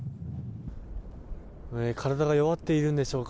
体が弱っているんでしょうか。